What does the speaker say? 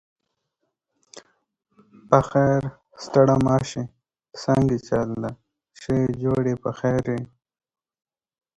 د مزار شریف د تاشقرغان تنګي د تاریخي اهمیت له مخې خورا مشهور دی.